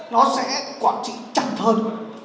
nó sẽ quản trị chặt hơn